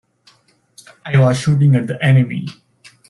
I was shooting at the enemy.